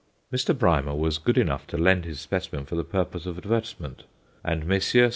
Mr. Brymer was good enough to lend his specimen for the purpose of advertisement, and Messrs.